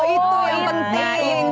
itu yang penting